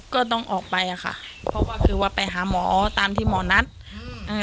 ก็ต้องออกไปอ่ะค่ะเพราะว่าคือว่าไปหาหมอตามที่หมอนัดอืมอ่า